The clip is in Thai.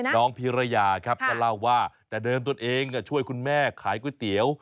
พี่พิรยาครับก็เล่าว่าแต่เดิมตนเองช่วยคุณแม่ขายก๋วยเตี๋ยว